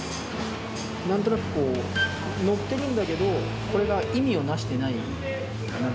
なんとなくこう、盛ってるんだけど、これが意味をなしてないかな。